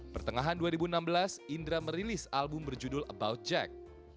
pertengahan dua ribu enam belas indra merilis album berjudul about jack